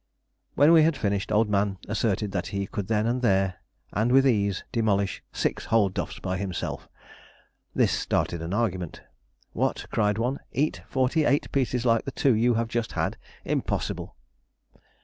When we had finished, Old Man asserted that he could then and there and with ease demolish six whole duffs by himself. This started an argument. "What!" cried one; "eat forty eight pieces like the two you have just had. Impossible!"